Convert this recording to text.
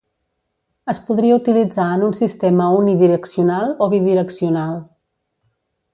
Es podria utilitzar en un sistema unidireccional o bidireccional.